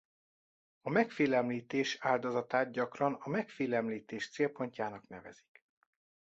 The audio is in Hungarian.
A megfélemlítés áldozatát gyakran a megfélemlítés célpontjának nevezik.